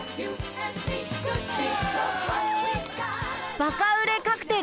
バカ売れカクテル。